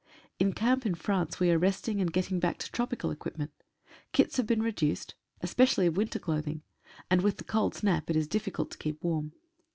In camp in France we are resting and getting back to tropical equipment. Kits have been reduced, 151 EXPERIENCE WITH MULES. especially of winter clothing, and with the cold snap it is difficult to keep warm.